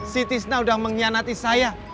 si tisna udah mengkhianati saya